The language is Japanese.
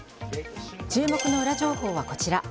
注目のウラ情報がこちら。